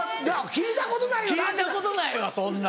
聞いたことないよな？